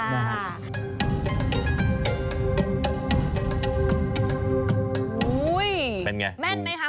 วูอยยยแม่นไหมคะ